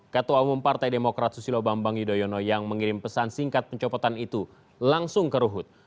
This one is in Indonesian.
ketua umum partai demokrat susilo bambang yudhoyono yang mengirim pesan singkat pencopotan itu langsung ke ruhut